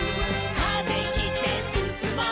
「風切ってすすもう」